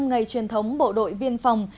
ngày truyền thống bộ đội biên phòng